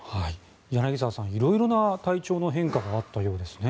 柳澤さん、色々な体調の変化があったようですね。